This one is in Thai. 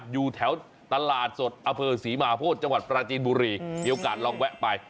อยู่แถวตลาดสดอเภอศรีมาโพธิจังหวัดปราจีนบุรีมีโอกาสลองแวะไป